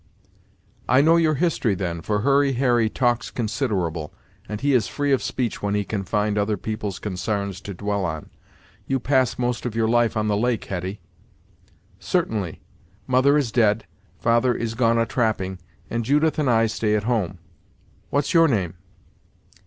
"I know your history, then, for Hurry Harry talks considerable, and he is free of speech when he can find other people's consarns to dwell on. You pass most of your life on the lake, Hetty." "Certainly. Mother is dead; father is gone a trapping, and Judith and I stay at home. What's your name?"